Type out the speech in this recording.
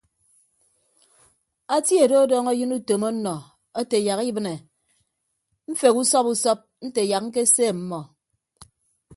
Atie do ọdọñ ayịn utom ọnnọ ate yak ibịne mfeghe usọp usọp nte yak ñkese ọmmọ.